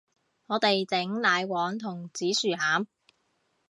我哋整奶黃同紫薯餡